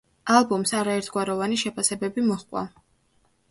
ალბომს არაერთგვაროვანი შეფასებები მოჰყვა.